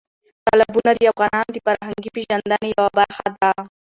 تالابونه د افغانانو د فرهنګي پیژندنې یوه برخه ده.